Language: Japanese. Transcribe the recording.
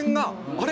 「あれ？